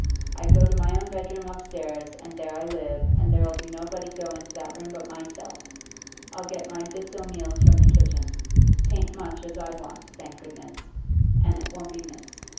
I go to my own bedroom upstairs, and there I live, and there 'll be nobody go into that room but myself. I'll get my bits o' meals from the kitchen. 'Tain't much as I want, thank goodness, an' it won't be missed.